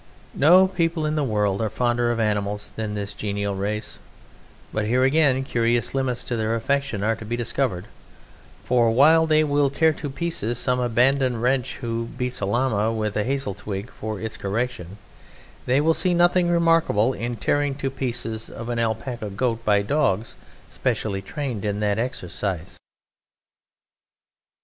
No people in the world are fonder of animals than this genial race, but here again curious limits to their affection are to be discovered, for while they will tear to pieces some abandoned wretch who beats a llama with a hazel twig for its correction, they will see nothing remarkable in the tearing to pieces of an alpaca goat by dogs specially trained in that exercise.